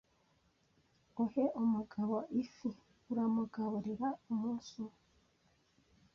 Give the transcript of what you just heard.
Uhe umugabo ifi uramugaburira umunsi umwe.